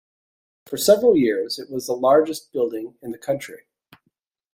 For several years it was the largest building in the county.